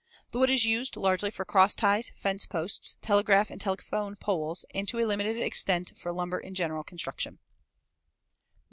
The wood is used largely for cross ties, fence posts, telegraph and telephone poles, and to a limited extent for lumber in general construction.